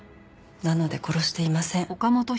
なので殺していません。